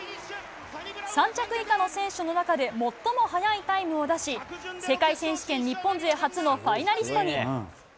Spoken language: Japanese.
３着以下の選手の中で最も速いタイムを出し、世界選手権日本勢初のファイナリストに。